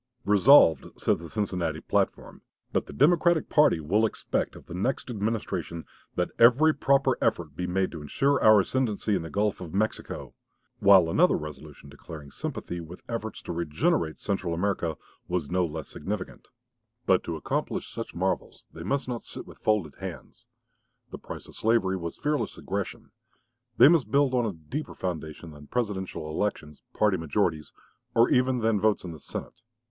"Resolved," said the Cincinnati platform, "that the Democratic party will expect of the next Administration that every proper effort be made to insure our ascendency in the Gulf of Mexico"; while another resolution declaring sympathy with efforts to "regenerate" Central America was no less significant. [Illustration: JOHN CALHOUN.] But to accomplish such marvels, they must not sit with folded hands. The price of slavery was fearless aggression. They must build on a deeper foundation than Presidential elections, party majorities, or even than votes in the Senate.